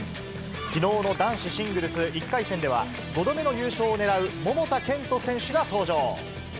きのうの男子シングルス１回戦では、５度目の優勝を狙う桃田賢斗選手が登場。